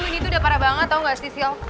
gila enggak tau gak sih sil